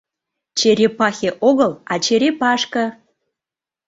— Черепахе огыл, а черепашке.